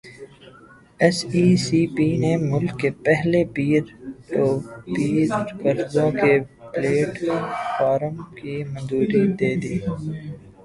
S E C P نے ملک کے پہلے پیر ٹو پیر قرضوں کے پلیٹ فارم کی منظوری دے دی